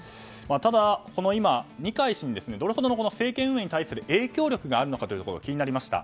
ただ、今の二階氏どれほど政権運営に対する影響力があるのかが気になりました。